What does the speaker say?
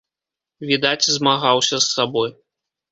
Відаць, змагаўся з сабой.